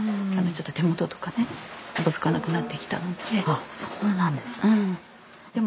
あっそうなんですね。